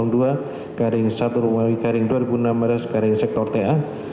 melalui garing dua enam sektorta